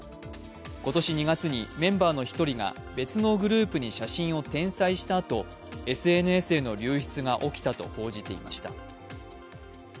今年２月にメンバーの一人が別のグループに写真を転載したあと、ＳＮＳへの流出が起きたと報じていました。